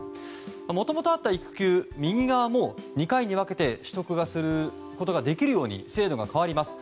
もともとあった育休右側も２回に分けて取得することができるように制度が変わります。